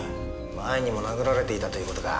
前にも殴られていたという事か。